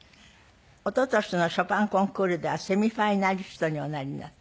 一昨年のショパンコンクールではセミファイナリストにおなりになった。